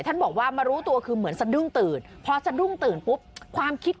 ท่านบอกเอาจริงตัวท่านเองก็อดคำไม่ได้